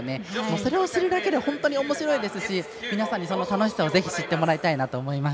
それを知るだけで本当におもしろいですし皆さんに楽しさを知ってほしいなと思います。